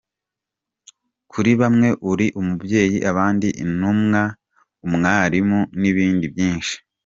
Kuri bamwe uri umubyeyi, abandi Intumwa, umwarimu n’ibindi byinshi.